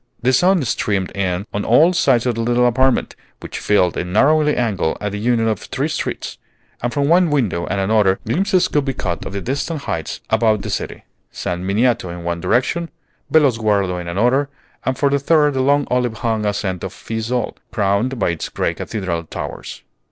The sun streamed in on all sides of the little apartment, which filled a narrowing angle at the union of three streets; and from one window and another, glimpses could be caught of the distant heights about the city, San Miniato in one direction, Bellosguardo in another, and for the third the long olive hung ascent of Fiesole, crowned by its gray cathedral towers.